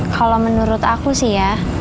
kalau menurut aku sih ya